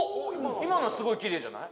今のはすごいきれいじゃない？